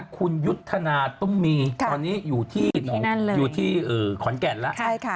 คุณยุทธนาตุ้มมีตอนนี้อยู่ที่ขอนแก่นแล้ว